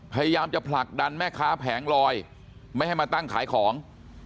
พยายามจะผลักดันแม่ค้าแผงลอยไม่ให้มาตั้งขายของ